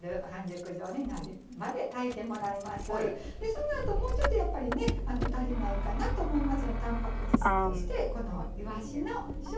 そのあともうちょっとやっぱりね足りないかなと思いますのでたんぱく質としてこのいわしのしょうゆ煮の缶詰ですね